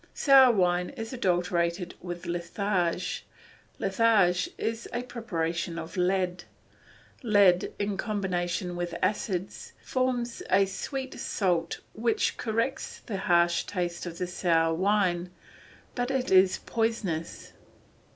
Sour wine is adulterated with litharge; litharge is a preparation of lead. Lead in combination with acids forms a sweet salt which corrects the harsh taste of the sour wine, but it is poisonous.